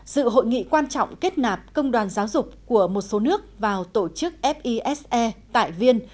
dự hội nghị quan trọng kết nạp công đoàn giáo dục của một số nước vào tổ chức fise tại viên